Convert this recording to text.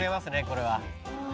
これは」